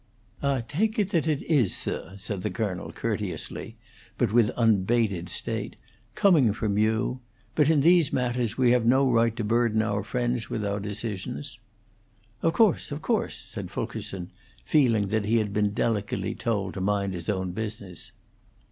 "I take it that it is, sir," said the colonel, courteously, but with unabated state, "coming from you. But in these matters we have no right to burden our friends with our decisions." "Of course, of course," said Fulkerson, feeling that he had been delicately told to mind his own business.